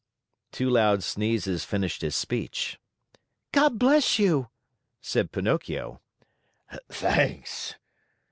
Two loud sneezes finished his speech. "God bless you!" said Pinocchio. "Thanks!